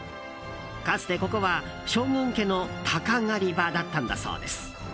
かつてここは将軍家の鷹狩り場だったんだそうです。